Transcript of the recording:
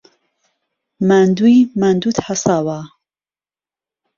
ماندووی ماندووت حهساوه